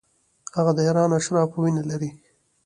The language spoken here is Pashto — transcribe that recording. هغه د ایران اشرافو وینه لري.